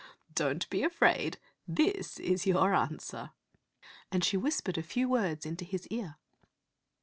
Don't be afraid; this is your answer," and she whispered a few words into his ear.